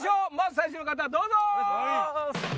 最初の方どうぞ！